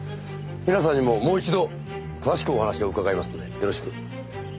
皆さんにももう一度詳しくお話を伺いますのでよろしく。